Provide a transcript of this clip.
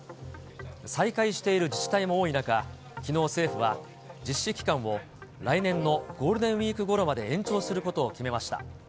再開している自治体も多い中、きのう政府は、実施期間を来年のゴールデンウィークごろまで延長することを決めました。